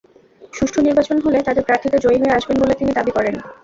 সুষ্ঠু নির্বাচন হলে তাঁদের প্রার্থীরা জয়ী হয়ে আসবেন বলে তিনি দাবি করেন।